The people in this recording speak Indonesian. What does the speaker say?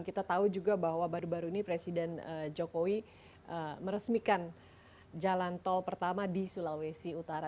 kita tahu juga bahwa baru baru ini presiden jokowi meresmikan jalan tol pertama di sulawesi utara